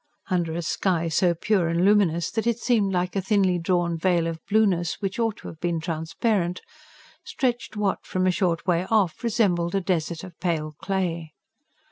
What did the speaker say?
Under a sky so pure and luminous that it seemed like a thinly drawn veil of blueness, which ought to have been transparent, stretched what, from a short way off, resembled a desert of pale clay.